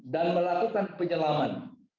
dan melakukan penyelaman